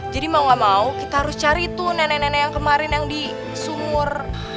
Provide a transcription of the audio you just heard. jadi mau nggak mau kita harus cari itu nenek nenek yang kemarin yang di sumur